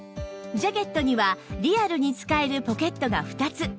ジャケットにはリアルに使えるポケットが２つ